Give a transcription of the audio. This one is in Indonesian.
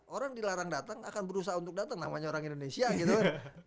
orang dilarang datang akan berusaha untuk datang namanya orang indonesia gitu kan